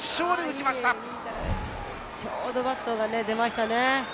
ちょうどバットが出ましたね。